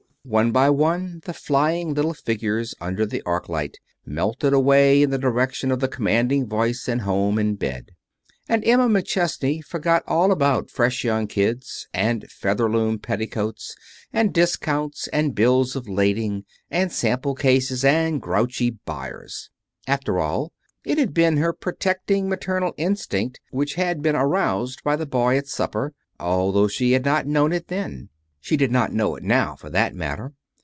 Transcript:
One by one the flying little figures under the arc light melted away in the direction of the commanding voice and home and bed. And Emma McChesney forgot all about fresh young kids and featherloom petticoats and discounts and bills of lading and sample cases and grouchy buyers. After all, it had been her protecting maternal instinct which had been aroused by the boy at supper, although she had not known it then. She did not know it now, for that matter.